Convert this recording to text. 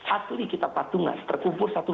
asli kita patungan terkumpul satu